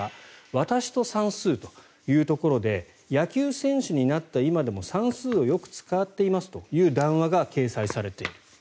「私と算数」というところで野球選手になった今でも算数をよく使っていますという談話が掲載されています。